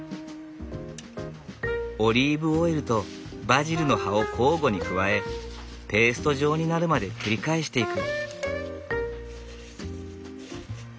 オリーブオイルとバジルの葉を交互に加えペースト状になるまで繰り返していく。